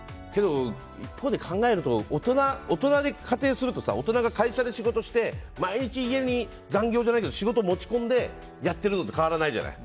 一方で考えると大人で仮定すると大人が会社で仕事して毎日家に残業じゃないけど仕事を持ち込んでやってるのと変わらないじゃない。